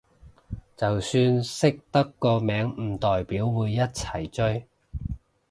就算識得個名都唔代表會一齊追